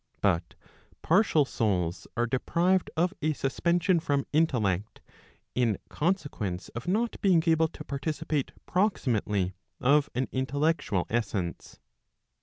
But partial souls are deprived of a suspension from intellect, in consequence of not being able to participate proximately of an intellectual essence.